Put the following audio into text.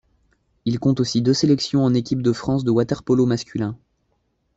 Il compte aussi deux sélections en équipe de France de water-polo masculin.